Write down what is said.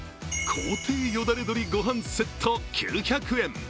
皇帝よだれ鶏ご飯セット９００円。